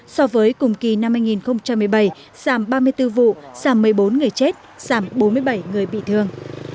so với cùng kỳ năm hai nghìn một mươi bảy giảm ba mươi bốn vụ giảm một mươi bốn người chết giảm bốn mươi bảy người bị thương